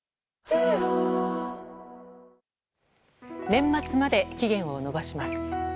年末まで期限を延ばします。